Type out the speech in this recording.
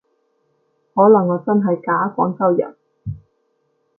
可能我真係假廣州人